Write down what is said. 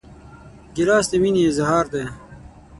ګیلاس د مینې اظهار دی.